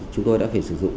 chúng tôi đã phải sử dụng